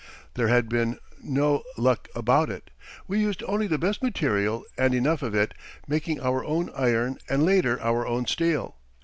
There has been no luck about it. We used only the best material and enough of it, making our own iron and later our own steel.